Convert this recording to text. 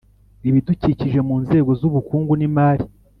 ibidukikije mu nzego zubukungu nimari